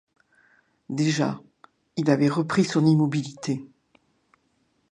Déjà, il avait repris son immobilité.